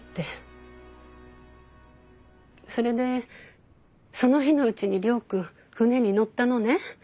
それでその日のうちに亮君船に乗ったのね。